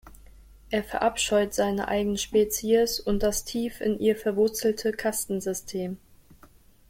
Er verabscheut seine eigene Spezies und das tief in ihr verwurzelte Kastensystem.